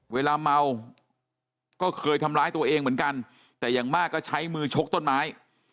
เวลาเมาก็เคยทำร้ายตัวเองเหมือนกันแต่อย่างมากก็ใช้มือชกต้นไม้